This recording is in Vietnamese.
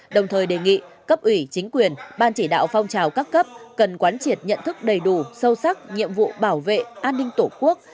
đồng thời đề nghị cấp ủy chính quyền ban chỉ đạo phong trào các cấp cần quán triệt nhận thức đầy đủ sâu sắc nhiệm vụ bảo vệ an ninh tổ quốc